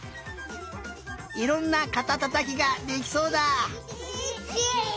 いろんなかたたたきができそうだ。